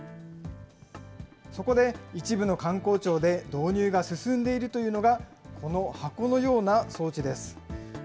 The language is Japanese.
そこで、一部の官公庁で導入が進んでいるというのが、この箱のような装置です。